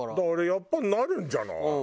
あれやっぱりなるんじゃない？